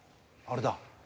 あれだ。